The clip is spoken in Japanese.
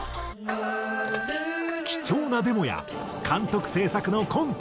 貴重なデモや監督制作のコンテ。